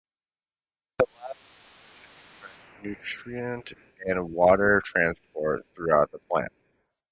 This allows for efficient nutrient and water transport throughout the plant.